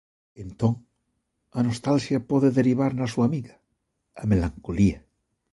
Entón a nostalxia pode derivar na súa amiga, a melancolía.